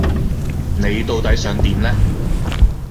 你到底想點呢？